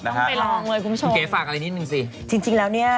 นายเกะฝากอะไรอีกนิดนึงสิ